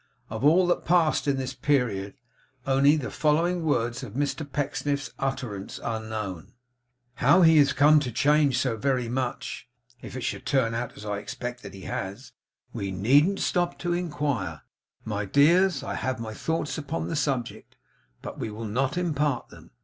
Of all that passed in this period, only the following words of Mr Pecksniff's utterance are known: 'How he has come to change so very much (if it should turn out as I expect, that he has), we needn't stop to inquire. My dears, I have my thoughts upon the subject, but I will not impart them.